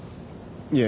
いえ。